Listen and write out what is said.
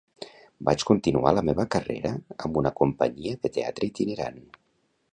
Vaig continuar la meva carrera amb una companyia de teatre itinerant.